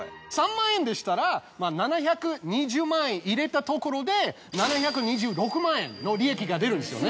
３万円でしたら７２０万円入れたところで７２６万円の利益が出るんですよね。